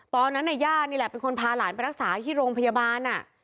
ตอนนั้นย่านี่แหละเป็นคนพาหลานไปรักษาที่โรงพยาบาล